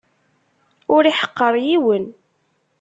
Ur iḥeqqer yiwen.